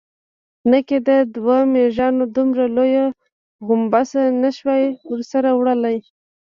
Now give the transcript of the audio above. نه کېده، دوو مېږيانو دومره لويه غومبسه نه شوای ورسره وړلای.